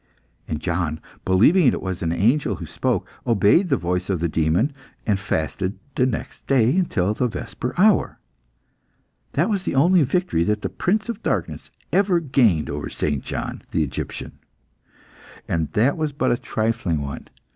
And John, believing that it was an angel who spoke, obeyed the voice of the demon, and fasted the next day until the vesper hour. That was the only victory that the Prince of Darkness ever gained over St. John the Egyptian, and that was but a trifling one.